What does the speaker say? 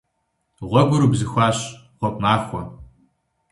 Гъуэгур убзыхуащ. Гъуэгу махуэ!